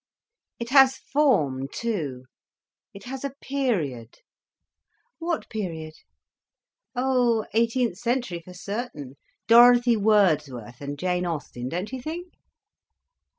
"It has form, too—it has a period." "What period?" "Oh, eighteenth century, for certain; Dorothy Wordsworth and Jane Austen, don't you think?"